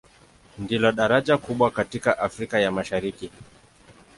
Ndilo daraja kubwa katika Afrika ya Mashariki.